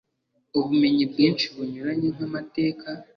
ubumenyi bwinshi bunyuranye nk’amateka,